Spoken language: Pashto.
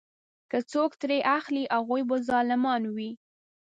که څوک یې ترې اخلي هغوی به ظالمان وي.